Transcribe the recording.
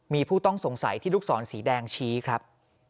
มีผู้ต้องสงสัยที่ลูกศรสีแดงชี้ครับ